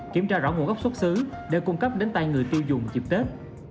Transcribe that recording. kiểm tra rõ nguồn gốc xuất xứ để cung cấp đến tay người tiêu dùng dịp tết